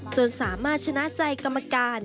จนสามารถชนะใจกรรมการ